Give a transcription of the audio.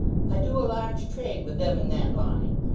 I do a large trade wi' them in that line.